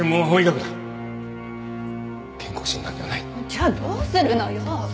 じゃあどうするのよ？